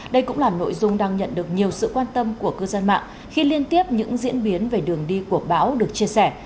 đây cũng là nội dung đang nhận được nhiều sự quan tâm của cư dân mạng khi liên tiếp những diễn biến về đường đi của bão được chia sẻ